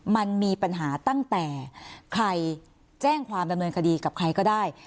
มันมีปัญหาตั้งแต่ใครแจ้งความดำเนินคดีกับใครก็ได้